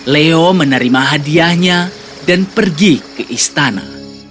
leo menerima hadiahnya dan pergi ke istana